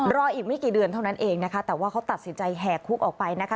รออีกไม่กี่เดือนเท่านั้นเองนะคะแต่ว่าเขาตัดสินใจแห่คุกออกไปนะคะ